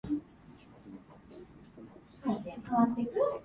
明日は晴れ、時々雨、実際は曇り、たまに雪、そしてハブられるみぞれ